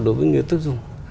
đối với người tiêu dùng